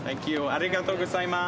ありがとうございます。